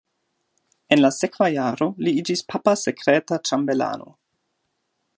En la sekva jaro li iĝis papa sekreta ĉambelano.